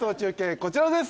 こちらです